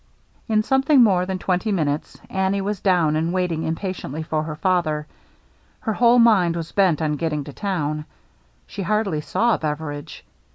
In something more than twenty minutes Annie was down and waiting impatiently for her fathei Her whole mind was bent on getting to i:own. She hardly saw Beveridge.